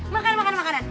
makan makan makanan